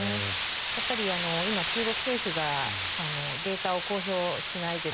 やっぱり今、中国政府がデータを公表しないというか